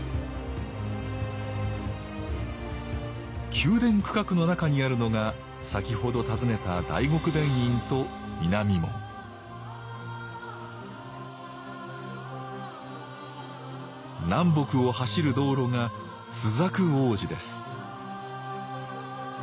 宮殿区画の中にあるのが先ほど訪ねた大極殿院と南門南北を走る道路が朱雀大路です